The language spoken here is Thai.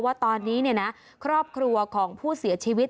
ว่าตอนนี้ครอบครัวของผู้เสียชีวิต